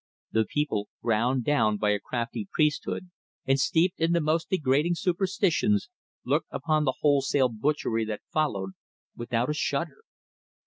The people, ground down by a crafty priesthood, and steeped in the most degrading superstitions, looked upon the wholesale butchery that followed without a shudder.